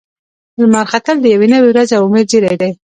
لمر ختل د یوې نوې ورځې او امید زیری دی.